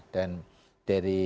dan dari itu